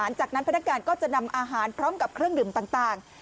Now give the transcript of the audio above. หลังจากนั้นพนักงานก็จะนำอาหารพร้อมกับเครื่องดื่มต่าง